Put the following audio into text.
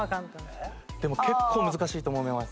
でも結構難しいと思います。